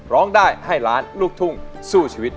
ร้องได้ให้ล้านลูกทุ่งสู้ชีวิต